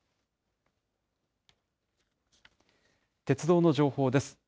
鉄道の情報です。